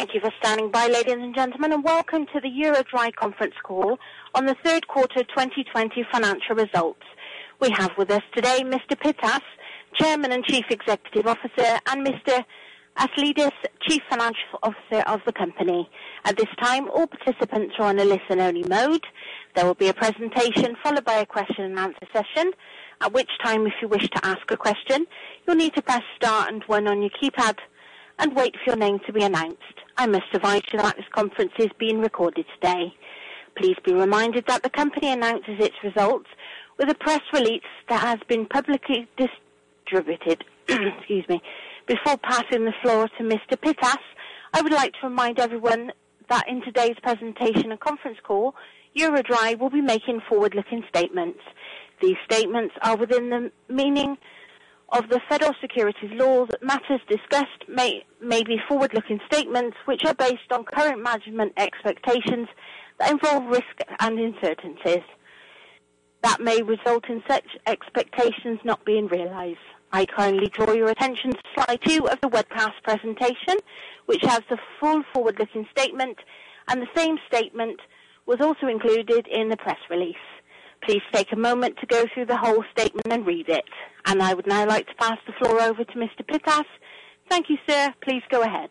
Thank you for standing by, ladies and gentlemen, and welcome to the EuroDry conference call on the third quarter 2020 financial results. We have with us today Mr. Pittas, Chairman and Chief Executive Officer, and Mr. Aslidis, Chief Financial Officer of the company. At this time, all participants are on a listen-only mode. There will be a presentation followed by a question and answer session. At which time, if you wish to ask a question, you'll need to press star and one on your keypad and wait for your name to be announced. I must advise you that this conference is being recorded today. Please be reminded that the company announces its results with a press release that has been publicly distributed. Excuse me. Before passing the floor to Mr. Pittas, I would like to remind everyone that in today's presentation and conference call, EuroDry will be making forward-looking statements. These statements are within the meaning of the Federal Securities laws, matters discussed may be forward-looking statements which are based on current management expectations that involve risks and uncertainties that may result in such expectations not being realized. I kindly draw your attention to slide two of the Webcast presentation, which has the full forward-looking statement. The same statement was also included in the press release. Please take a moment to go through the whole statement and read it. I would now like to pass the floor over to Mr. Pittas. Thank you, sir. Please go ahead.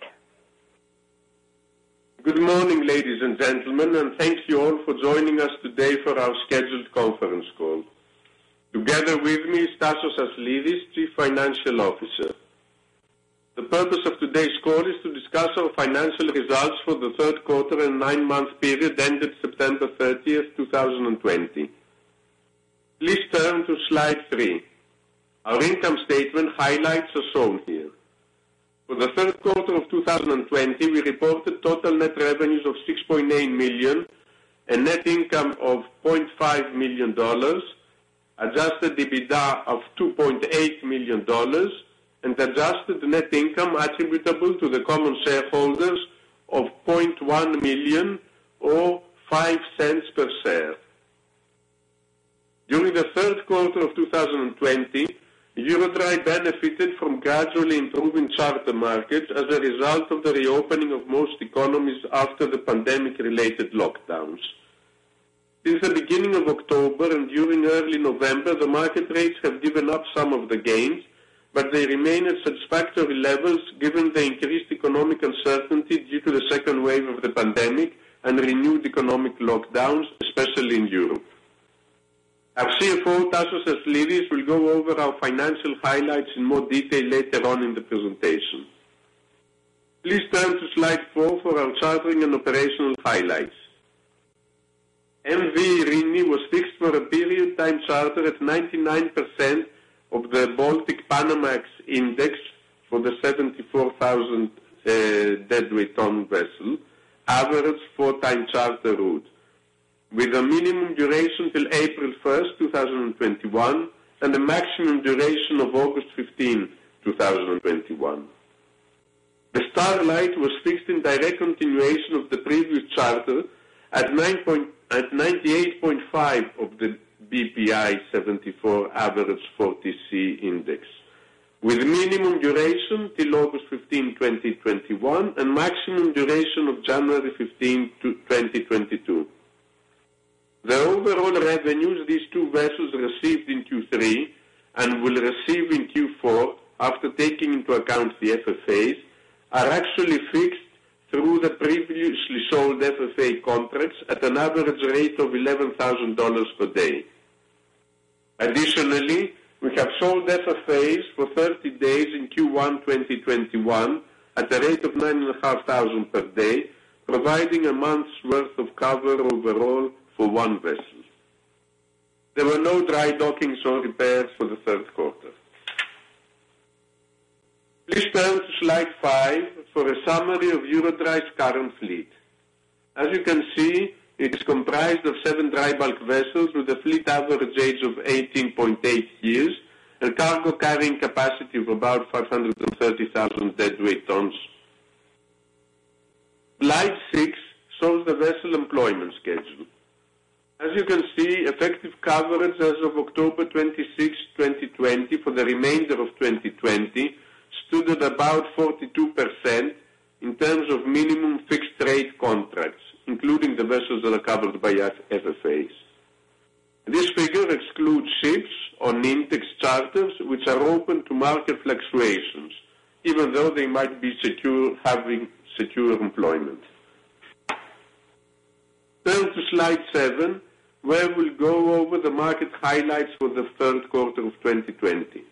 Good morning, ladies and gentlemen, and thank you all for joining us today for our scheduled conference call. Together with me is Tasos Aslidis, Chief Financial Officer. The purpose of today's call is to discuss our financial results for the third quarter and nine-month period ended September 30th, 2020. Please turn to slide three. Our income statement highlights are shown here. For the third quarter of 2020, we reported total net revenues of $6.8 million and net income of $0.5 million, adjusted EBITDA of $2.8 million and adjusted net income attributable to the common shareholders of $0.1 million or $0.05 per share. During the third quarter of 2020, EuroDry benefited from gradually improving charter markets as a result of the reopening of most economies after the pandemic-related lockdowns. Since the beginning of October and during early November, the market rates have given up some of the gains, but they remain at satisfactory levels given the increased economic uncertainty due to the second wave of the pandemic and renewed economic lockdowns, especially in Europe. Our CFO, Tasos Aslidis, will go over our financial highlights in more detail later on in the presentation. Please turn to slide four for our chartering and operational highlights. MV Irini was fixed for a period time charter at 99% of the Baltic Panamax Index for the 74,000 deadweight ton vessel, average four-time charter route. With a minimum duration till April 1st, 2021, and a maximum duration of August 15, 2021. The Starlight was fixed in direct continuation of the previous charter at 98.5 of the BPI 74 average 4TC index. With minimum duration till August 15, 2021, and maximum duration of January 15, 2022. The overall revenues these two vessels received in Q3 and will receive in Q4 after taking into account the FFAs are actually fixed through the previously sold FFA contracts at an average rate of $11,000 per day. Additionally, we have sold FFAs for 30 days in Q1 2021 at a rate of $9,500 per day, providing a month's worth of cover overall for one vessel. There were no dry dockings or repairs for the third quarter. Please turn to slide five for a summary of EuroDry's current fleet. As you can see, it is comprised of seven dry bulk vessels with a fleet average age of 18.8 years and cargo carrying capacity of about 530,000 deadweight tons. Slide six shows the vessel employment schedule. As you can see, effective coverage as of October 26, 2020, for the remainder of 2020, stood at about 42% in terms of minimum fixed rate contracts, including the vessels that are covered by FFAs. This figure excludes ships on index charters which are open to market fluctuations, even though they might be having secure employment. Turn to slide seven, where we'll go over the market highlights for the third quarter of 2020.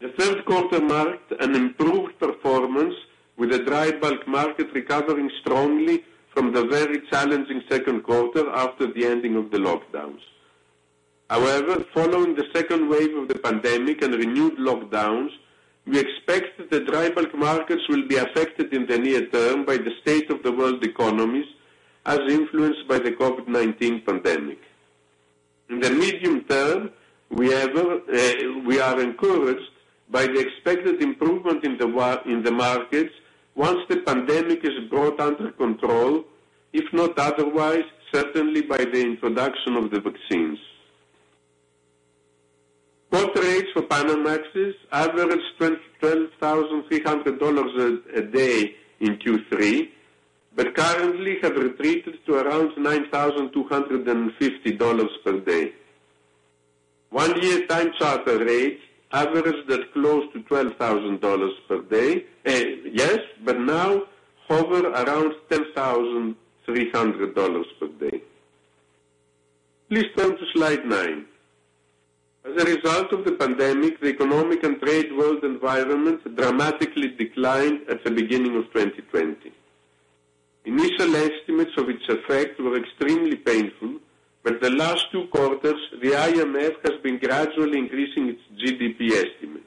The third quarter marked an improved performance with the dry bulk market recovering strongly from the very challenging second quarter after the ending of the lockdowns. Following the second wave of the pandemic and renewed lockdowns, we expect that the dry bulk markets will be affected in the near term by the state of the world economies as influenced by the COVID-19 pandemic. In the medium term, we are encouraged by the expected improvement in the markets once the pandemic is brought under control, if not otherwise, certainly by the introduction of the vaccines. For rates for Panamaxes, average $12,300 a day in Q3, but currently have retreated to around $9,250 per day. One year time charter rates averaged at close to $12,000 per day, yes, but now hover around $10,300 per day. Please turn to slide nine. As a result of the pandemic, the economic and trade world environment dramatically declined at the beginning of 2020. Initial estimates of its effect were extremely painful, but the last two quarters, the IMF has been gradually increasing its GDP estimates.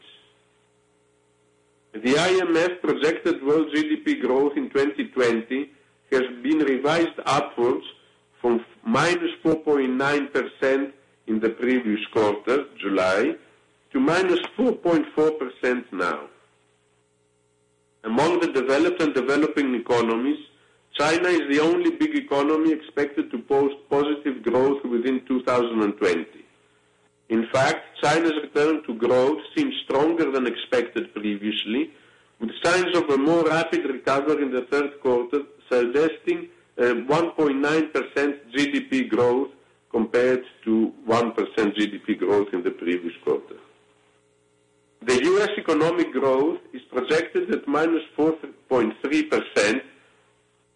The IMF projected world GDP growth in 2020 has been revised upwards from -4.9% in the previous quarter, July, to -2.4% now. Among the developed and developing economies, China is the only big economy expected to post positive growth within 2020. In fact, China's return to growth seems stronger than expected previously, with signs of a more rapid recovery in the third quarter suggesting a 1.9% GDP growth compared to 1% GDP growth in the previous quarter. The U.S. economic growth is projected at -4.3%,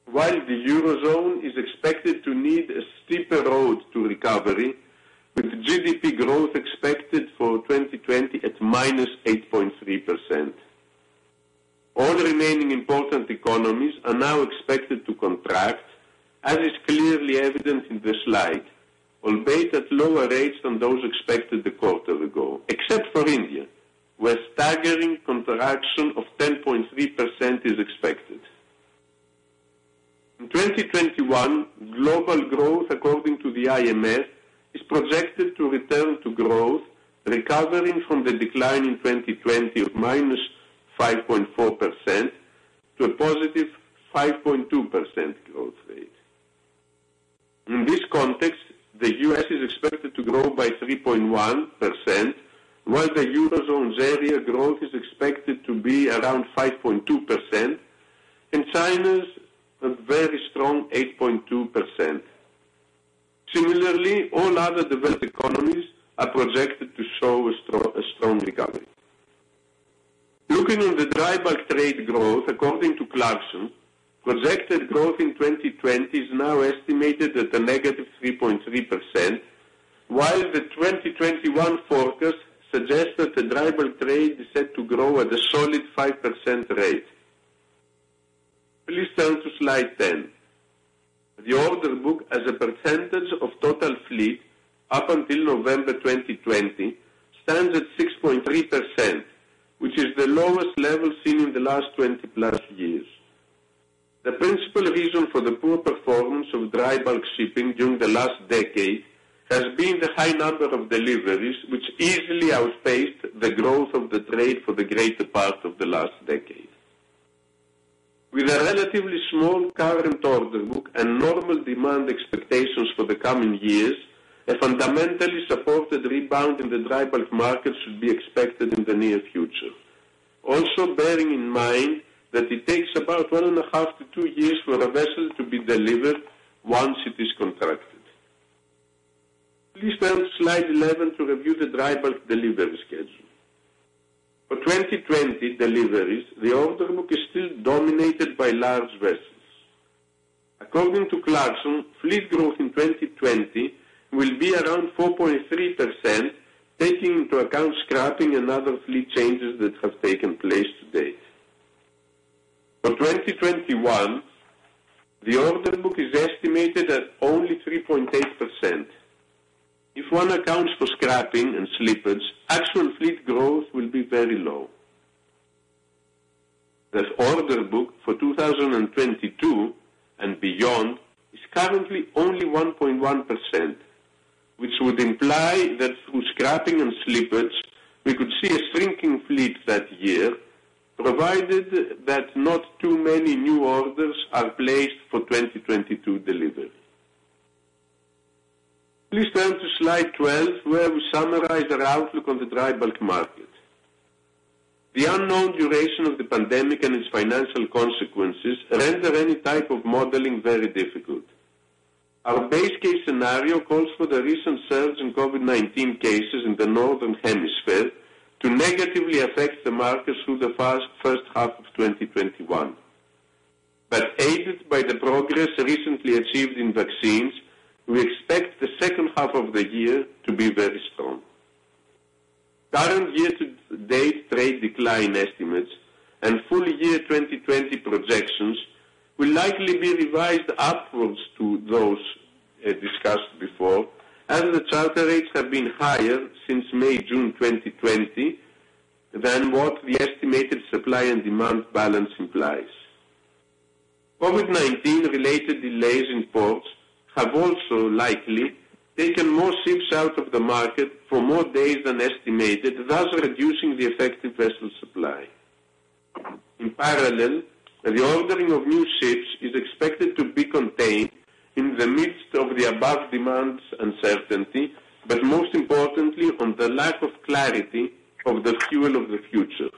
while the Eurozone is expected to need a steeper road to recovery, with GDP growth expected for 2020 at -8.3%. All remaining important economies are now expected to contract, as is clearly evident in the slide, albeit at lower rates than those expected a quarter ago, except for India, where staggering contraction of 10.3% is expected. In 2021, global growth, according to the IMF, is projected to return to growth, recovering from the decline in 2020 of -5.4% to a positive 5.2% growth rate. In this context, the U.S. is expected to grow by 3.1%, while the Eurozone's area growth is expected to be around 5.2%, and China's a very strong 8.2%. Similarly, all other developed economies are projected to show a strong recovery. Looking at the dry bulk trade growth, according to Clarksons, projected growth in 2020 is now estimated at a negative 3.3%, while the 2021 forecast suggests that the dry bulk trade is set to grow at a solid 5% rate. Please turn to slide 10. The order book as a percentage of total fleet up until November 2020 stands at 6.3%, which is the lowest level seen in the last 20 plus years. The principal reason for the poor performance of dry bulk shipping during the last decade has been the high number of deliveries, which easily outpaced the growth of the trade for the greater part of the last decade. With a relatively small current order book and normal demand expectations for the coming years, a fundamentally supported rebound in the dry bulk market should be expected in the near future. Also bearing in mind that it takes about one and a half to two years for a vessel to be delivered once it is contracted. Please turn to slide 11 to review the dry bulk delivery schedule. For 2020 deliveries, the order book is still dominated by large vessels. According to Clarksons, fleet growth in 2020 will be around 4.3%, taking into account scrapping and other fleet changes that have taken place to date. For 2021, the order book is estimated at only 3.8%. If one accounts for scrapping and slippage, actual fleet growth will be very low. The order book for 2022 and beyond is currently only 1.1%, which would imply that through scrapping and slippage, we could see a shrinking fleet that year, provided that not too many new orders are placed for 2022 delivery. Please turn to slide 12, where we summarize our outlook on the dry bulk market. The unknown duration of the pandemic and its financial consequences render any type of modeling very difficult. Our base case scenario calls for the recent surge in COVID-19 cases in the northern hemisphere to negatively affect the markets through the first half of 2021. Aided by the progress recently achieved in vaccines, we expect the second half of the year to be very strong. Current year-to-date trade decline estimates and full year 2020 projections will likely be revised upwards to those discussed before, as the charter rates have been higher since May/June 2020 than what the estimated supply and demand balance implies. COVID-19 related delays in ports have also likely taken more ships out of the market for more days than estimated, thus reducing the effective vessel supply. In parallel, the ordering of new ships is expected to be contained in the midst of the above demand uncertainty, but most importantly on the lack of clarity of the fuel of the future.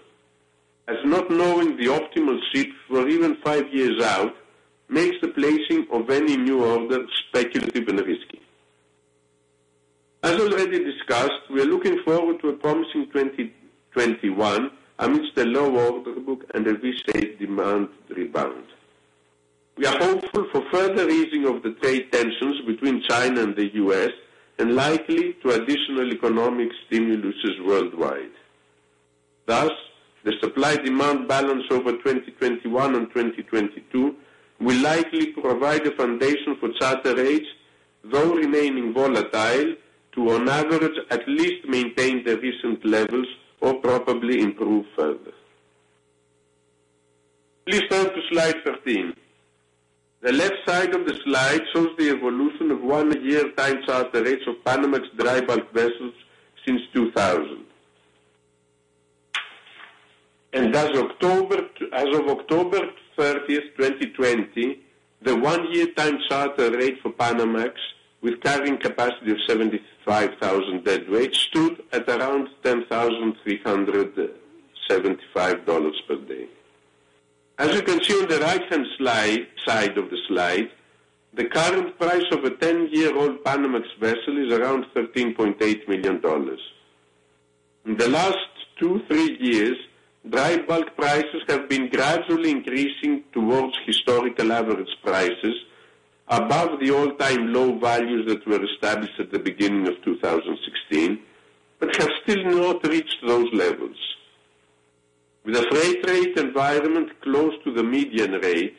As not knowing the optimal ship for even five years out makes the placing of any new order speculative and risky. As already discussed, we are looking forward to a promising 2021 amidst a low order book and a V-shaped demand rebound. We are hopeful for further easing of the trade tensions between China and the U.S., and likely to additional economic stimuluses worldwide. The supply-demand balance over 2021 and 2022 will likely provide a foundation for charter rates, though remaining volatile, to on average, at least maintain the recent levels or probably improve further. Please turn to slide 13. The left side of the slide shows the evolution of one-year time charter rates of Panamax dry bulk vessels since 2000. As of October 30th, 2020, the one-year time charter rate for Panamax with carrying capacity of 75,000 deadweight stood at around $10,375 per day. As you can see on the right-hand side of the slide, the current price of a 10-year-old Panamax vessel is around $13.8 million. In the last two, three years, dry bulk prices have been gradually increasing towards historical average prices above the all-time low values that were established at the beginning of 2016, but have still not reached those levels. With a freight rate environment close to the median rate,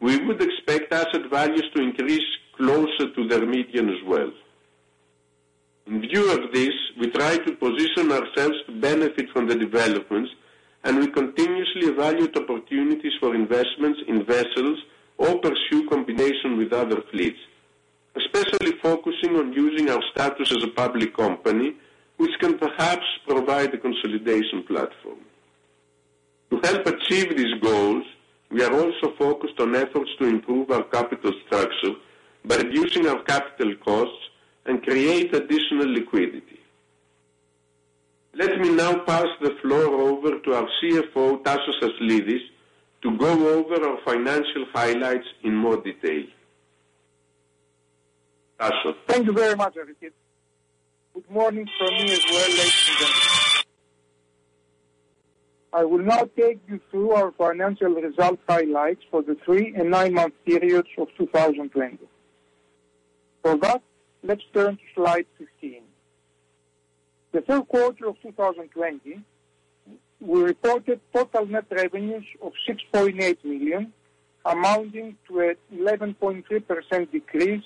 we would expect asset values to increase closer to their median as well. In view of this, we try to position ourselves to benefit from the developments, we continuously evaluate opportunities for investments in vessels or pursue combination with other fleets, especially focusing on using our status as a public company, which can perhaps provide a consolidation platform. To help achieve these goals, we are also focused on efforts to improve our capital structure by reducing our capital costs and create additional liquidity. Let me now pass the floor over to our CFO, Tasos Aslidis, to go over our financial highlights in more detail. Tasos. Thank you very much, Aristides. Good morning from me as well, ladies and gentlemen. I will now take you through our financial result highlights for the three and nine-month periods of 2020. For that, let's turn to slide 15. The third quarter of 2020, we reported total net revenues of $6.8 million, amounting to an 11.3% decrease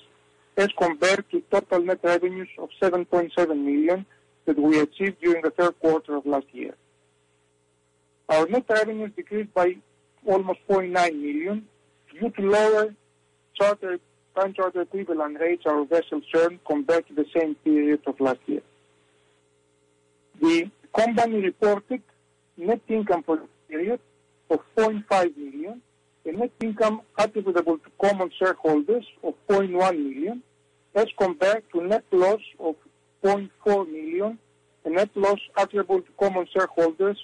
as compared to total net revenues of $7.7 million that we achieved during the third quarter of last year. Our net revenues decreased by almost $0.9 million due to lower time charter equivalent rates our vessels earned compared to the same period of last year. The company reported net income for the period of $0.5 million and net income attributable to common shareholders of $0.1 million, as compared to net loss of $0.4 million and net loss attributable to common shareholders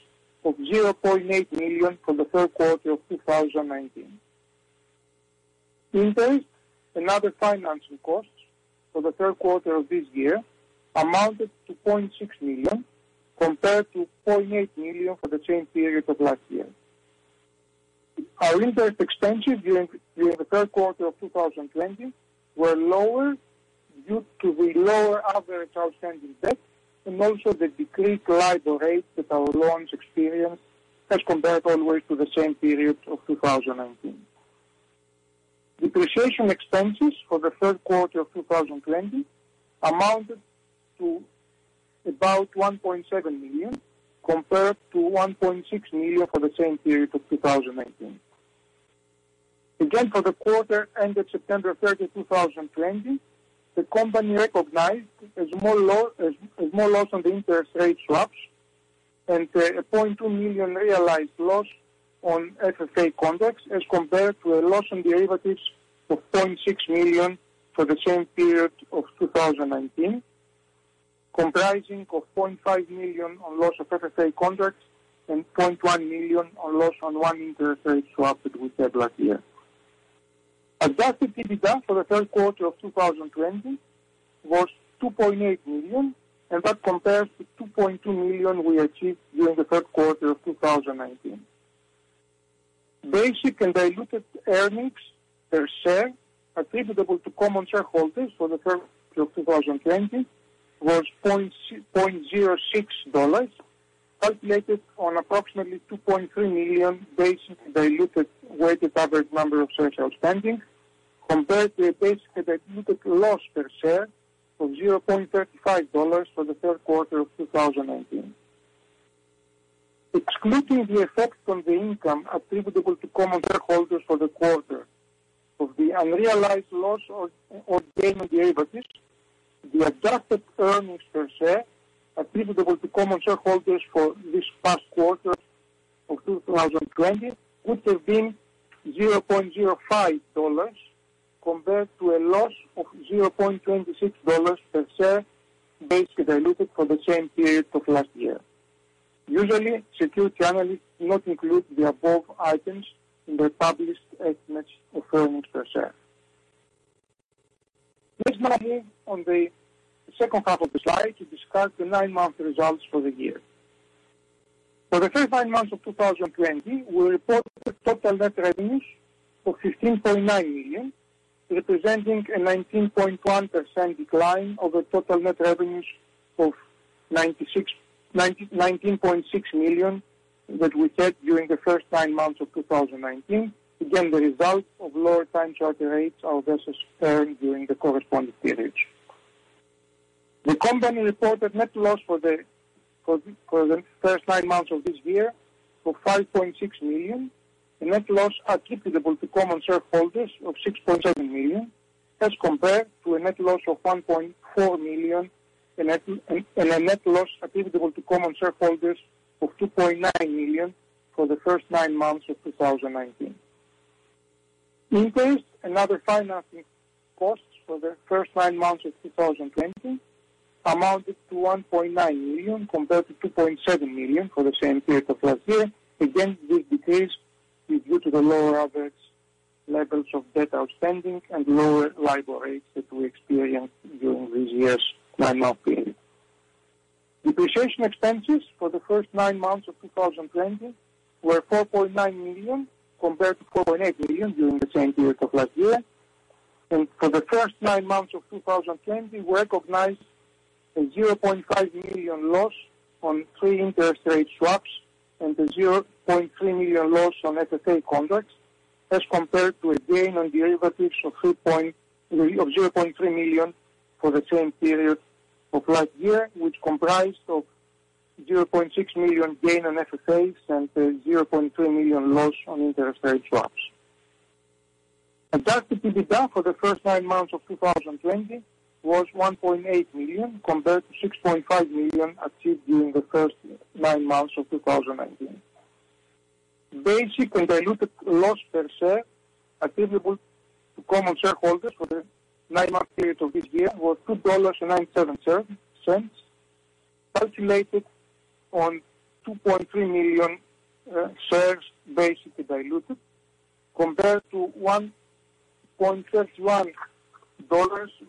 of $0.8 million from the third quarter of 2019. Interest and other financing costs for the third quarter of this year amounted to $0.6 million, compared to $0.8 million for the same period of last year. Our interest expenses during the third quarter of 2020 were lower due to the lower average outstanding debt, and also the decreased LIBOR rates that our loans experienced as compared always to the same period of 2019. Depreciation expenses for the third quarter of 2020 amounted to about $1.7 million, compared to $1.6 million for the same period of 2019. Again, for the quarter ended September 30th, 2020, the company recognized a small loss on the interest rate swaps and a $0.2 million realized loss on FFA contracts as compared to a loss on derivatives of $0.6 million for the same period of 2019, comprising of $0.5 million on loss of FFA contracts and $0.1 million on loss on one interest rate swap that we had last year. Adjusted EBITDA for the third quarter of 2020 was $2.8 million. That compares to $2.2 million we achieved during the third quarter of 2019. Basic and diluted earnings per share attributable to common shareholders for the third quarter of 2020 was $0.06, calculated on approximately 2.3 million basic and diluted weighted average number of shares outstanding, compared to a basic and diluted loss per share of $0.35 for the third quarter of 2019. Excluding the effect on the income attributable to common shareholders for the quarter of the unrealized loss or gain on derivatives, the adjusted earnings per share attributable to common shareholders for this past quarter of 2020 would have been $0.05 compared to a loss of $0.26 per share, basic and diluted for the same period of last year. Usually, security analysts not include the above items in their published estimates of earnings per share. Let's now move on the second half of the slide to discuss the nine-month results for the year. For the first nine months of 2020, we reported total net revenues of $15.9 million, representing a 19.1% decline over total net revenues of $19.6 million that we took during the first nine months of 2019. Again, the result of lower time charter rates our vessels earned during the corresponding period. The company reported net loss for the first nine months of this year for $5.6 million. A net loss attributable to common shareholders of $6.7 million as compared to a net loss of $1.4 million and a net loss attributable to common shareholders of $2.9 million for the first nine months of 2019. Interest and other financing costs for the first nine months of 2020 amounted to $1.9 million, compared to $2.7 million for the same period of last year. This decrease is due to the lower average levels of debt outstanding and lower LIBOR rates that we experienced during this year's nine-month period. Depreciation expenses for the first nine months of 2020 were $4.9 million, compared to $4.8 million during the same period of last year. For the first nine months of 2020, we recognized a $0.5 million loss on three interest rate swaps and a $0.3 million loss on FFA contracts, as compared to a gain on derivatives of $0.3 million for the same period of last year, which comprised of $0.6 million gain on FFAs and a $0.3 million loss on interest rate swaps. Adjusted EBITDA for the first nine months of 2020 was $1.8 million, compared to $6.5 million achieved during the first nine months of 2019. Basic and diluted loss per share attributable to common shareholders for the nine-month period of this year was $2.97, calculated on 2.3 million shares, basically diluted, compared to $1.31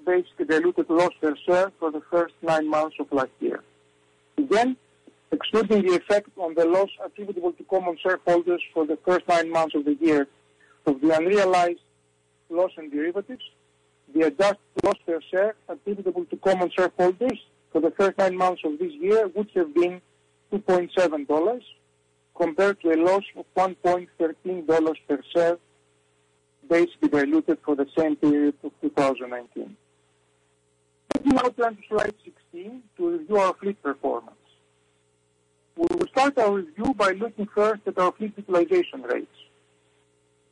basic and diluted loss per share for the first nine months of last year. Again, excluding the effect on the loss attributable to common shareholders for the first nine months of the year of the unrealized loss on derivatives, the adjusted loss per share attributable to common shareholders for the first nine months of this year would have been $2.7 compared to a loss of $1.13 per share, basically diluted for the same period of 2019. Let me now turn to slide 16 to review our fleet performance. We will start our review by looking first at our fleet utilization rates.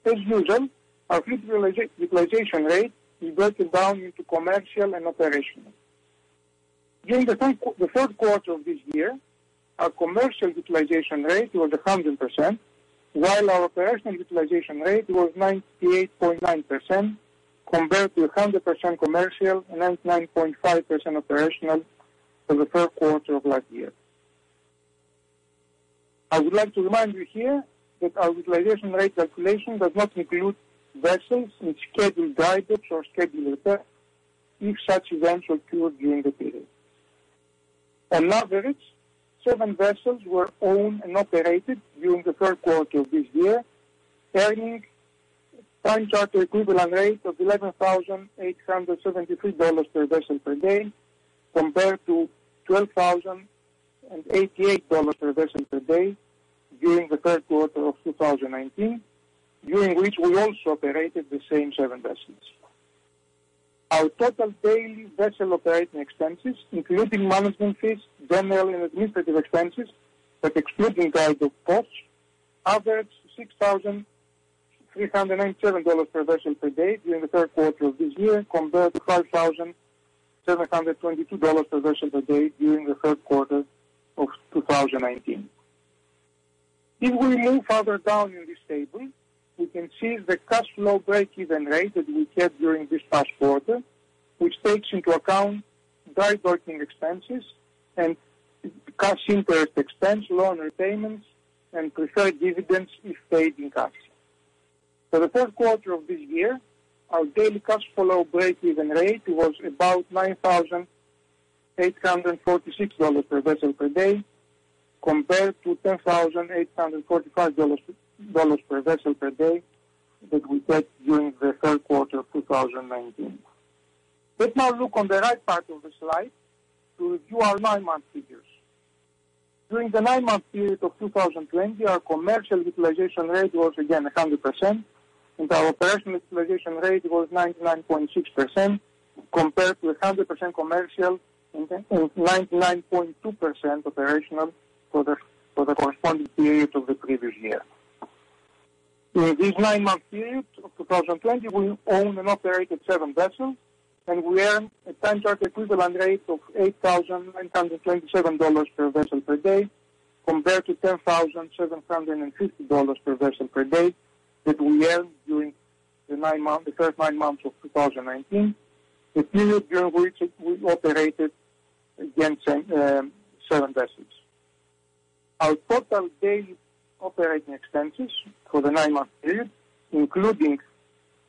As usual, our fleet utilization rate is broken down into commercial and operational. During the third quarter of this year, our commercial utilization rate was 100%, while our operational utilization rate was 98.9%, compared to 100% commercial and 99.5% operational for the third quarter of last year. I would like to remind you here that our utilization rate calculation does not include vessels in scheduled dry docks or scheduled repair if such events occurred during the period. On average, seven vessels were owned and operated during the third quarter of this year, earning time charter equivalent rate of $11,873 per vessel per day, compared to $12,088 per vessel per day during the third quarter of 2019, during which we also operated the same seven vessels. Our total daily vessel operating expenses, including management fees, general and administrative expenses, but excluding dry dock costs, averaged $6,397 per vessel per day during the third quarter of this year, compared to $5,722 per vessel per day during the third quarter of 2019. If we move further down in this table, we can see the cash flow breakeven rate that we had during this past quarter, which takes into account dry docking expenses and cash interest expense, loan repayments, and preferred dividends if paid in cash. For the third quarter of this year, our daily cash flow breakeven rate was about $9,846 per vessel per day, compared to $10,845 per vessel per day that we took during the third quarter of 2019. Let's now look on the right part of the slide to review our nine-month figures. During the nine-month period of 2020, our commercial utilization rate was again 100%, and our operational utilization rate was 99.6%. Compared to 100% commercial and 99.2% operational for the corresponding period of the previous year. In this nine-month period of 2020, we own and operated seven vessels, and we earned a time charter equivalent rate of $8,927 per vessel per day, compared to $10,750 per vessel per day that we earned during the first nine months of 2019, a period during which we operated, again, seven vessels. Our total daily operating expenses for the nine-month period, including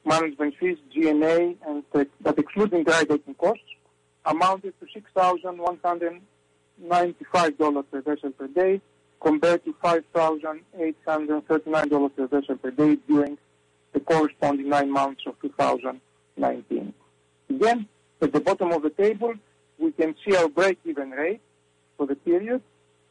management fees, G&A, but excluding dry docking costs, amounted to $6,195 per vessel per day, compared to $5,839 per vessel per day during the corresponding nine months of 2019. Again, at the bottom of the table, we can see our break-even rate for the period.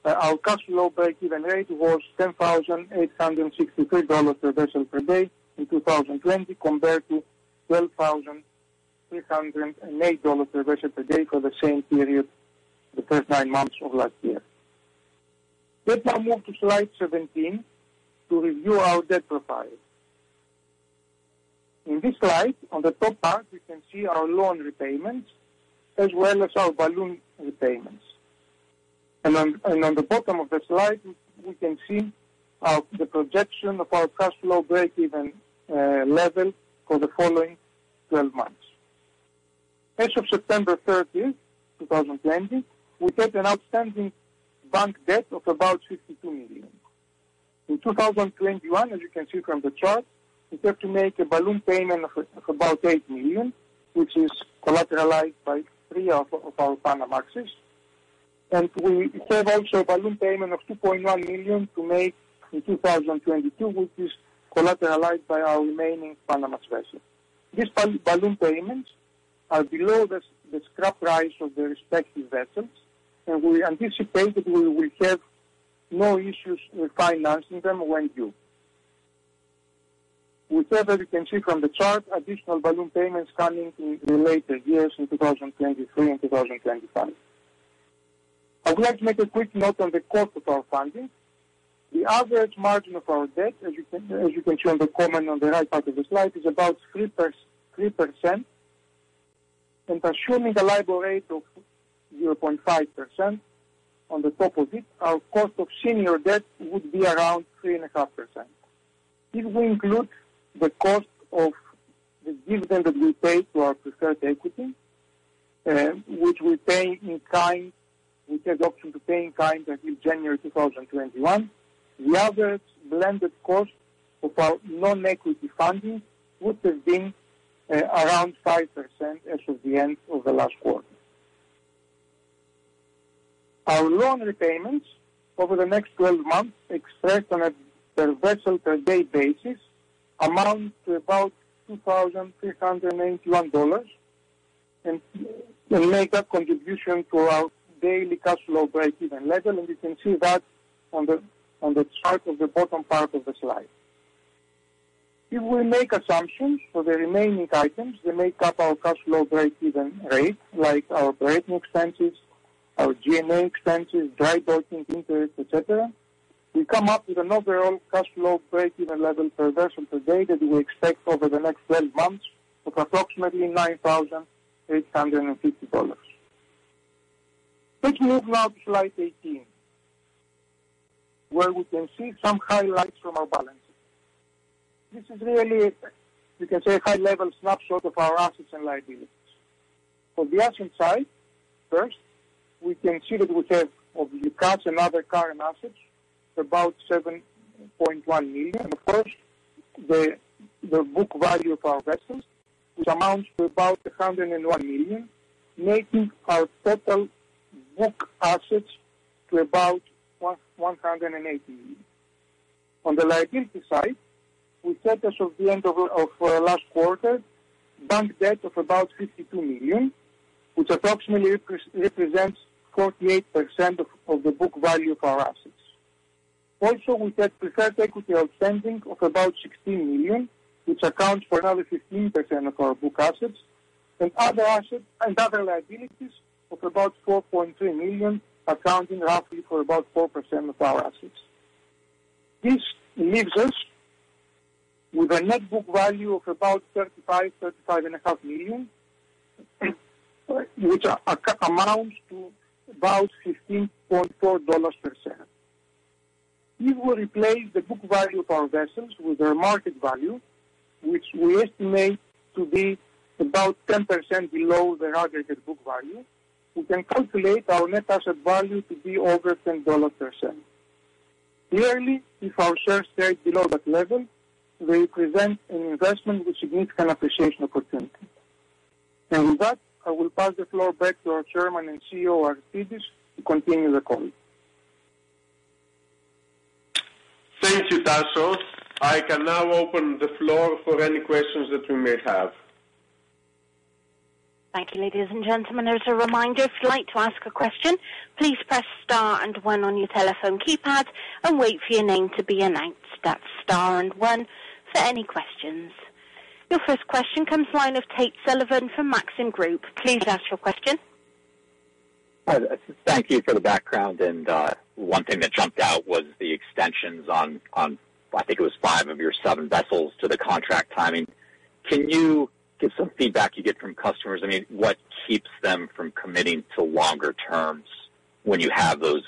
Our cash flow break-even rate was $10,863 per vessel per day in 2020, compared to $12,308 per vessel per day for the same period, the first nine months of last year. Let's now move to slide 17 to review our debt profile. In this slide, on the top part, we can see our loan repayments as well as our balloon repayments. On the bottom of the slide, we can see the projection of our cash flow break-even level for the following 12 months. As of September 30th, 2020, we had an outstanding bank debt of about $52 million. In 2021, as you can see from the chart, we have to make a balloon payment of about $8 million, which is collateralized by three of our Panamaxes. We have also a balloon payment of $2.1 million to make in 2022, which is collateralized by our remaining Panamax vessel. These balloon payments are below the scrap price of the respective vessels, and we anticipate that we will have no issues with financing them when due. We further can see from the chart additional balloon payments coming in the later years, in 2023 and 2025. I would like to make a quick note on the cost of our funding. The average margin of our debt, as you can see on the comment on the right part of the slide, is about 3%. Assuming a LIBOR rate of 0.5% on the top of it, our cost of senior debt would be around 3.5%. If we include the cost of the dividend that we pay to our preferred equity, which we pay in kind, we have the option to pay in kind until January 2021, the average blended cost of our non-equity funding would have been around 5% as of the end of the last quarter. Our loan repayments over the next 12 months, expressed on a per-vessel-per-day basis, amount to about $2,381 and make a contribution to our daily cash flow break-even level. You can see that on the chart on the bottom part of the slide. If we make assumptions for the remaining items that make up our cash flow break-even rate, like our operating expenses, our G&A expenses, dry docking, interest, et cetera, we come up with an overall cash flow break-even level per vessel per day that we expect over the next 12 months of approximately $9,850. Let's move now to slide 18, where we can see some highlights from our balance sheet. This is really, you can say, a high-level snapshot of our assets and liabilities. For the asset side, first, we can see that we have of the cash and other current assets of about $7.1 million. Of course, the book value of our vessels, which amounts to about $101 million, making our total book assets to about $180 million. On the liability side, we had as of the end of last quarter, bank debt of about $52 million, which approximately represents 48% of the book value of our assets. Also, we have preferred equity outstanding of about $16 million, which accounts for another 15% of our book assets. Other liabilities of about $4.3 million, accounting roughly for about 4% of our assets. This leaves us with a net book value of about $35.5 million, which amounts to about $15.4 per share. If we replace the book value of our vessels with their market value, which we estimate to be about 10% below their aggregated book value, we can calculate our net asset value to be over $10 per share. Clearly, if our shares trade below that level, they present an investment with significant appreciation opportunity. With that, I will pass the floor back to our Chairman and CEO, Aristides, to continue the call. Thank you, Tasos. I can now open the floor for any questions that you may have. Thank you, ladies and gentlemen. As a reminder, if you'd like to ask a question, please press star and one on your telephone keypad and wait for your name to be announced. That's star and one for any questions. Your first question comes line of Tate Sullivan from Maxim Group. Please ask your question. Thank you for the background. One thing that jumped out was the extensions on, I think it was five of your seven vessels to the contract timing. Can you give some feedback you get from customers? What keeps them from committing to longer terms when you have those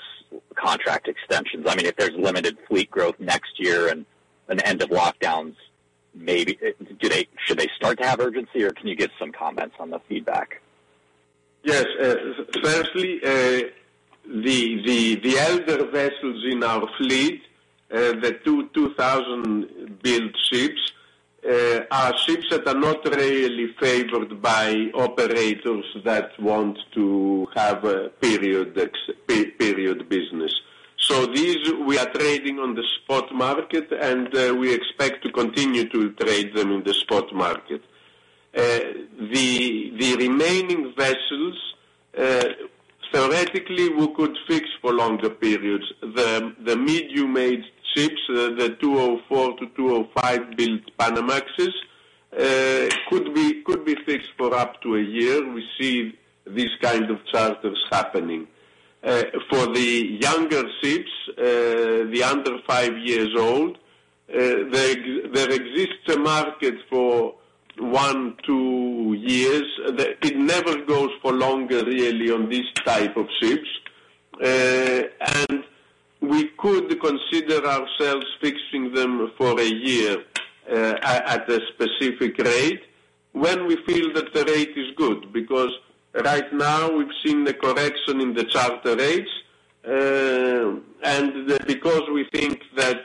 contract extensions? If there's limited fleet growth next year and an end of lockdowns, should they start to have urgency or can you give some comments on the feedback? Yes. Firstly, the elder vessels in our fleet, the two 2000-built ships, are ships that are not really favored by operators that want to have a period business. These, we are trading on the spot market, and we expect to continue to trade them in the spot market. The remaining vessels, theoretically, we could fix for longer periods. The medium-aged ships, the 2004 to 2005-built Panamaxes, could be fixed for up to a year. We see these kind of charters happening. For the younger ships, the under five years old, there exists a market for one, two years. It never goes for longer, really, on these type of ships. We could consider ourselves fixing them for a year at a specific rate when we feel that the rate is good. Right now we've seen the correction in the charter rates. Because we think that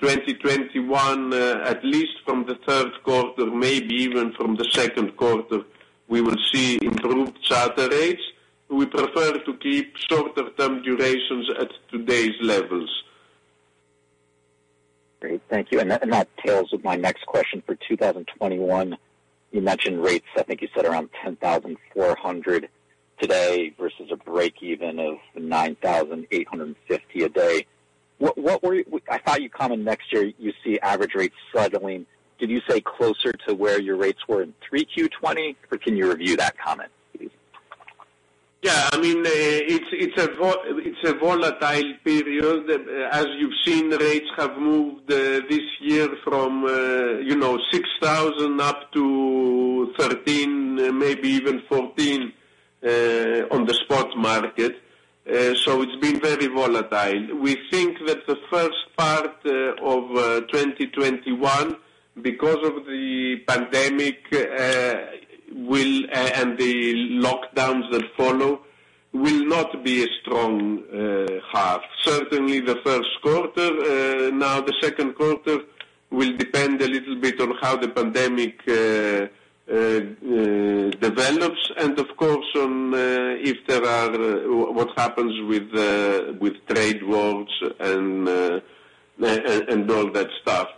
2021, at least from the third quarter, maybe even from the second quarter, we will see improved charter rates, we prefer to keep shorter-term durations at today's levels. Great. Thank you. That tails with my next question. For 2021, you mentioned rates, I think you said around $10,400 today versus a breakeven of $9,850 a day. I thought you commented next year you see average rates struggling. Did you say closer to where your rates were in 3Q20, or can you review that comment, please? Yeah. It’s a volatile period. As you've seen, rates have moved this year from $6,000 up to $13, maybe even $14 on the spot market. It's been very volatile. We think that the first part of 2021, because of the pandemic and the lockdowns that follow, will not be a strong half. Certainly the first quarter. Now the second quarter will depend a little bit on how the pandemic develops and, of course, on what happens with trade wars and all that stuff.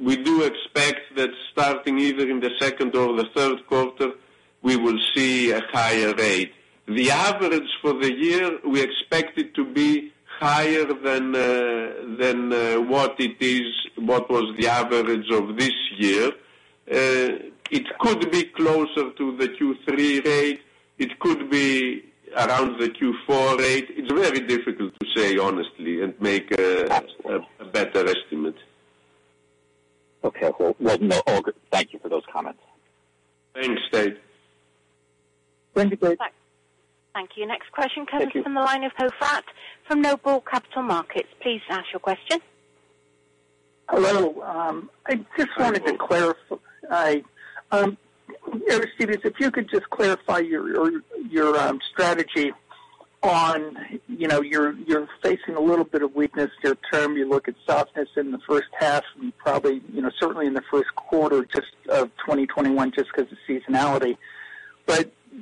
We do expect that starting either in the second or the third quarter, we will see a higher rate. The average for the year, we expect it to be higher than what was the average of this year. It could be closer to the Q3 rate. It could be around the Q4 rate. It's very difficult to say, honestly, and make a better estimate. Okay. Well, thank you for those comments. Thanks, Tate. Thanks, Tate. Thank you. Next question comes from the line of Poe Fratt from Noble Capital Markets. Please ask your question. Hello. Hi, Poe. I just wanted to clarify. Aristides, if you could just clarify your strategy on you’re facing a little bit of weakness near-term. You look at softness in the first half and certainly in the first quarter of 2021 just because of seasonality.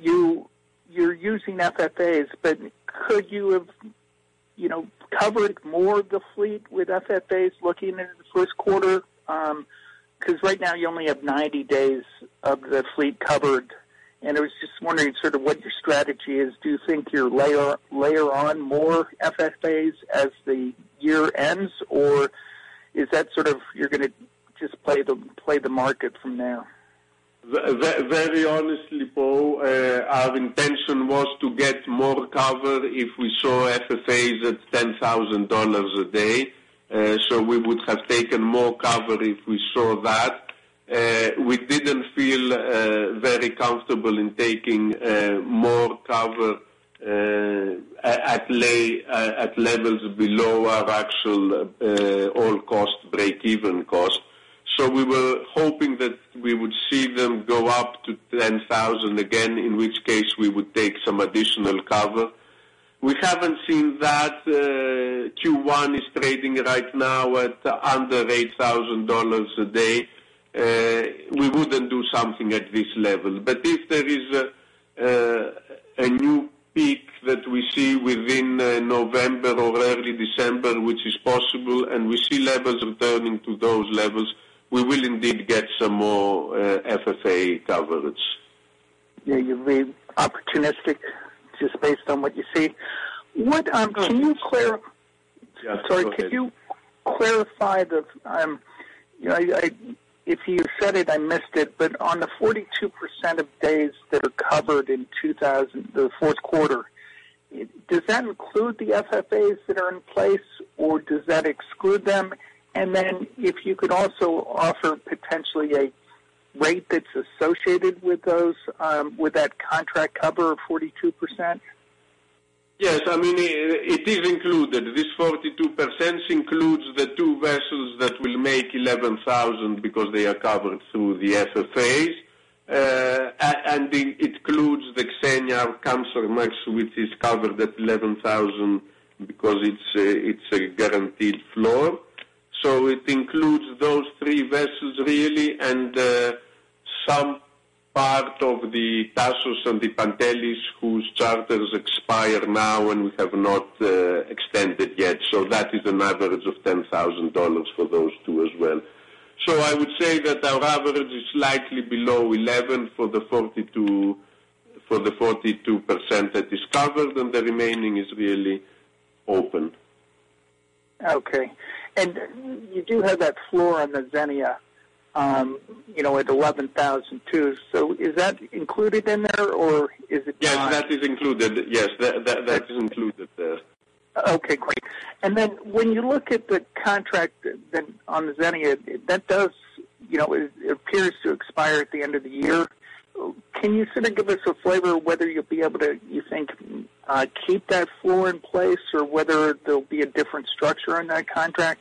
You’re using FFAs, but could you have covered more of the fleet with FFAs looking into the first quarter? Right now you only have 90 days of the fleet covered, and I was just wondering sort of what your strategy is. Do you think you layer on more FFAs as the year ends, or is that sort of you’re going to just play the market from now? Very honestly, Poe, our intention was to get more cover if we saw FFAs at $10,000 a day. We would have taken more cover if we saw that. We didn’t feel very comfortable in taking more cover at levels below our actual all-cost breakeven cost. We were hoping that we would see them go up to 10,000 again, in which case we would take some additional cover. We haven’t seen that, Q1 is trading right now at under $8,000 a day. We wouldn’t do something at this level. If there is a new peak that we see within November or early December, which is possible, and we see levels returning to those levels, we will indeed get some more FFA coverage. Yeah, you’ll be opportunistic just based on what you see. Can you clarify the, if you said it, I missed it, but on the 42% of days that are covered in the fourth quarter, does that include the FFAs that are in place or does that exclude them? Then if you could also offer potentially a rate that's associated with those, would that contract cover 42%? Yes. It is included. This 42% includes the two vessels that will make $11,000 because they are covered through the FFAs. It includes the Xenia Kamsarmax, which is covered at $11,000 because it's a guaranteed floor. It includes those three vessels really and some part of the Tasos and the Pantelis whose charters expire now and we have not extended yet. That is an average of $10,000 for those two as well. I would say that our average is slightly below $11,000 for the 42% that is covered and the remaining is really open. Okay. You do have that floor on the Xenia at $11,000 too. Is that included in there or is it not? Yes, that is included there. Okay, great. Then when you look at the contract on the Xenia, it appears to expire at the end of the year. Can you sort of give us a flavor whether you'll be able to, you think, keep that floor in place or whether there'll be a different structure in that contract?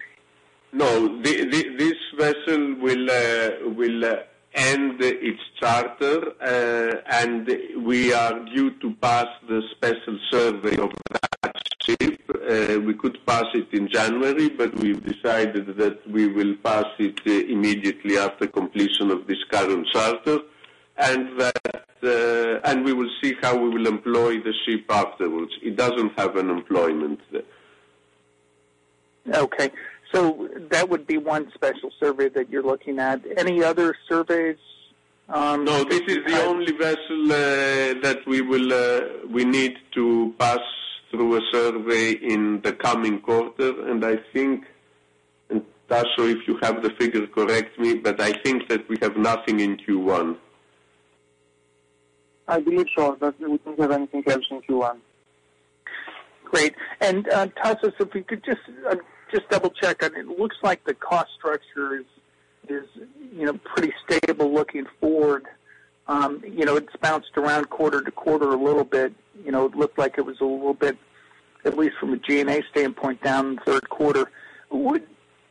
No, this vessel will end its charter, and we are due to pass the special survey of that ship. We could pass it in January, but we've decided that we will pass it immediately after completion of this current charter, and we will see how we will employ the ship afterwards. It doesn't have an employment. Okay. That would be one special survey that you're looking at. Any other surveys? No, this is the only vessel that we need to pass through a survey in the coming quarter. I think, Tasos, if you have the figures, correct me, but I think that we have nothing in Q1. I believe so, that we don't have anything else in Q1. Great. Tasos, if we could just double-check. It looks like the cost structure is pretty stable looking forward. It's bounced around quarter to quarter a little bit. It looked like it was a little bit, at least from a G&A standpoint, down in the third quarter.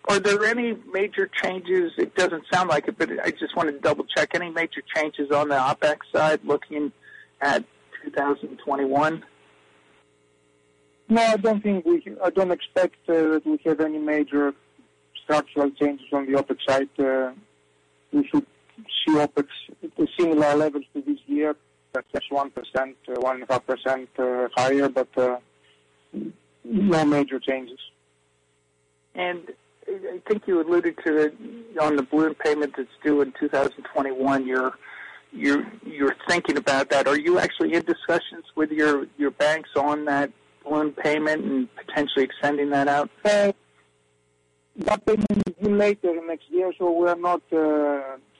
Are there any major changes? It doesn't sound like it, but I just want to double-check. Any major changes on the OpEx side looking at 2021? No, I don't expect that we have any major structural changes on the OpEx side. We should see similar levels to this year, perhaps 1%-1.5% higher, but no major changes. I think you alluded to it on the balloon payment that's due in 2021. You're thinking about that. Are you actually in discussions with your banks on that balloon payment and potentially extending that out? That payment is due later next year, so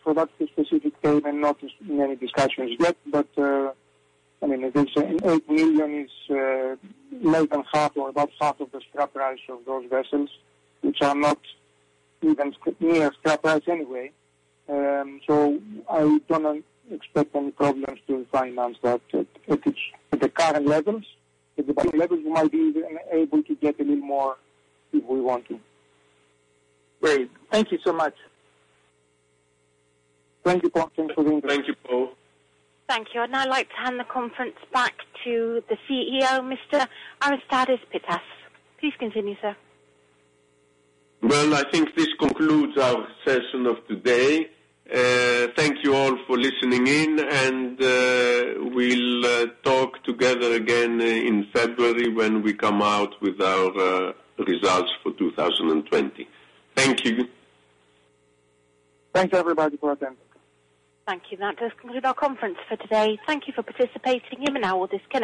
for that specific payment, not in any discussions yet. This $8 million is less than half or about half of the scrap price of those vessels, which are not even near scrap price anyway. I don't expect any problems to finance that at the current levels. At the current levels, we might be even able to get a little more if we want to. Great. Thank you so much. Thank you, Poe, for calling. Thank you, Poe. Thank you. I'd now like to hand the conference back to the CEO, Mr. Aristides Pittas. Please continue, sir. I think this concludes our session of today. Thank you all for listening in, and we'll talk together again in February when we come out with our results for 2020. Thank you. Thanks, everybody, for attending. Thank you. That does conclude our conference for today. Thank you for participating, you may now disconnect.